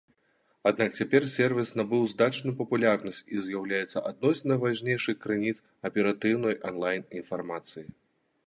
Аднак цяпер сервіс набыў значную папулярнасць і з'яўляецца адной з найважнейшых крыніц аператыўнай анлайн-інфармацыі.